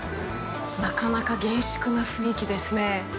なかなか厳粛な雰囲気ですね。